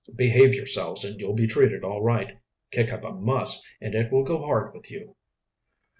"Behave yourselves, and you'll be treated all right. Kick up a muss, and it will go hard with you."